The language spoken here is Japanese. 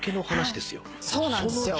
そうなんですよ。